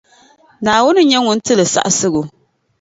Naawuni n-nyɛ Ŋun ti li saɣisigu.